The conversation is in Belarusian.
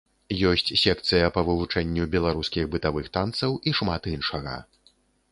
Ёсць секцыя па вывучэнню беларускіх бытавых танцаў і шмат іншага.